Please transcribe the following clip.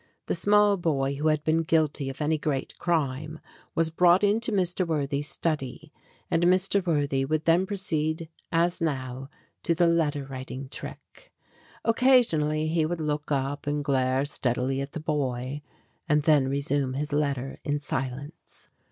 The small boy who had been guilty of any great crime was brought into Mr. Worthy's study, and Mr. Worthy would then proceed as now, to the letter writing trick. Occasionally he GREAT POSSESSIONS 13 would look up and glare steadily at the boy, and then resume his letter in silence.